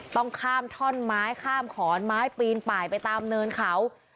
ต้องข้ามท่อนไม้ข้ามขอนไม้ปีนป่ายไปตามเนินเขา